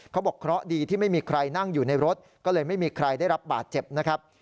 เขาบอกเคราะห์ดีที่ไม่มีใครนั่งอยู่ในรถก็เลยไม่มีใครได้รับบาดเจ็บนะครับ